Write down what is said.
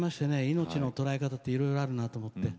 命の捉え方っていろいろあるなと思って。